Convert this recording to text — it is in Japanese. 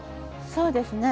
そうですね。